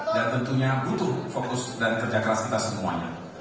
dan tentunya butuh fokus dan kerja keras kita semuanya